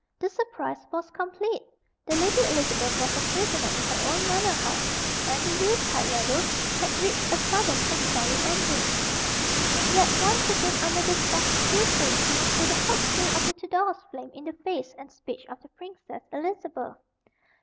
The surprise was complete. The Lady Elizabeth was a prisoner in her own manor house, and the Yule tide revels had reached a sudden and sorry ending. And yet, once again, under this false accusation, did the hot spirit of the Tudors flame in the face and speech of the Princess Elizabeth.